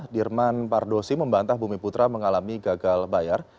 dirman pardosi membantah bumi putra mengalami gagal bayar